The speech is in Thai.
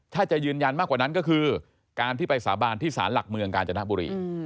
ถ้าจะยืนยันมากกว่านั้นก็คือการที่ไปสาบานที่สารหลักเมืองกาญจนบุรี